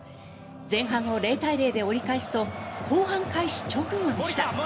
前半を０対０で折り返すと後半開始直後でした。